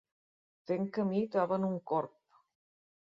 Fent camí, troben un corb.